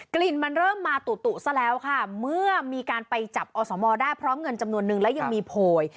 กลิ่นมันเริ่มมาตุซะแล้วค่ะเมื่อมีการไปจับอสมได้พร้อมเงินจำนวนนึงแล้วยังมีโพย